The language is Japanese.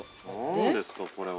◆何ですか、これは。